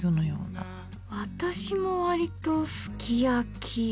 私も割とすき焼き。